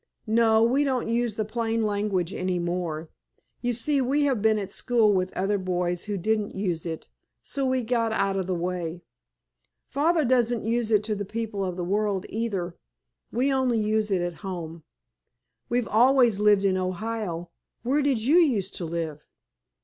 "No, we don't use the plain language any more. You see we have been at school with other boys who didn't use it, so we got out of the way. Father doesn't use it to people of the world, either; we only use it at home. We've always lived in Ohio. Where did you used to live?"